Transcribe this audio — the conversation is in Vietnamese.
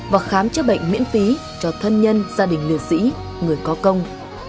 và khám chữa bệnh miễn phí cho thân nhân gia đình liệt sĩ người có công